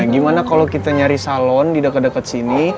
gimana kalau kita nyari salon di deket deket sini